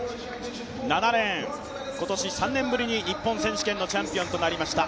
７レーン、今年３年ぶりに日本選手権のチャンピオンとなりました。